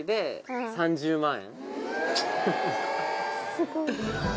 すごい！